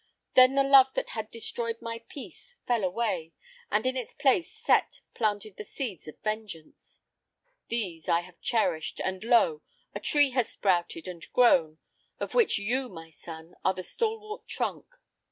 Then the love that had destroyed my peace fell away, and in its place Set planted the seeds of vengeance. These I have cherished, and lo! a tree has sprouted and grown, of which you, my son, are the stalwart trunk.